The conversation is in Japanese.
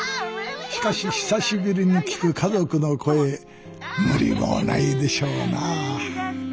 しかし久しぶりに聞く家族の声無理もないでしょうな